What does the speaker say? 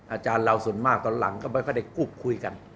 อาจารย์เราส่วนมากตอนหลังก็ไม่ค่อยได้กุ๊บคุยกัน